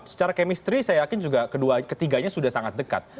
secara kemistri saya yakin juga ketiganya sudah sangat dekat